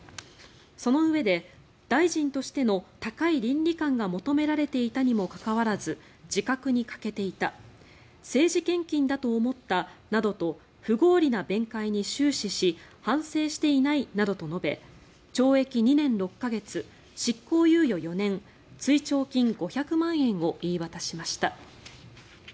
そのうえで大臣としての高い倫理観が求められていたにもかかわらず自覚に欠けていた政治献金だと思ったなどと不合理な弁解に終始し反省していないなどと述べ懲役２年６か月執行猶予４年追徴金５００万円を言い渡しました。